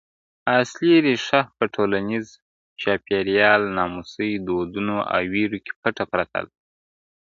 اصلي ريښه په ټولنيز چاپېريال ناموسي دودونو او وېرو کي پټه پرته ده,